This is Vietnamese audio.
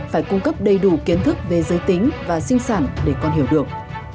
phải cung cấp đầy đủ kiến thức về giới tính và sinh sản để con hiểu được